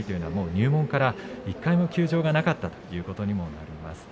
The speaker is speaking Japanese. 入門から１回も休場がなかったということになります。